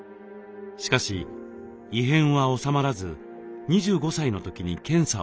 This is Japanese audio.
しかし異変は収まらず２５歳の時に検査を受けます。